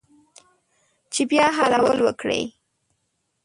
چې بیا حلول وکړي